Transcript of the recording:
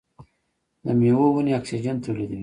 د میوو ونې اکسیجن تولیدوي.